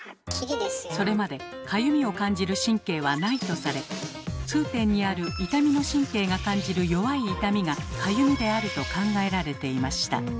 それまでかゆみを感じる神経はないとされ痛点にある痛みの神経が感じる弱い痛みが「かゆみ」であると考えられていました。